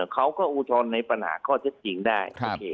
เขาก็อูทรในปัญหาข้อเจ็ดจริงได้